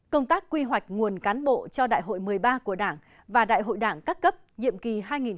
công tác quy hoạch nguồn cán bộ cho đại hội một mươi ba của đảng và đại hội đảng các cấp nhiệm kỳ hai nghìn hai mươi hai nghìn hai mươi năm